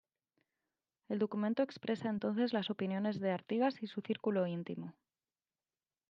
El documento expresa entonces las opiniones de Artigas y su círculo íntimo.